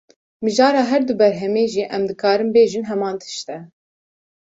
Mijara her du berhemê jî, em dikarin bêjin heman tişt e